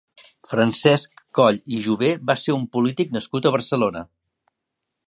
Francesc Coll i Jové va ser un polític nascut a Barcelona.